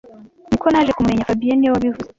Niko naje kumumenya fabien niwe wabivuze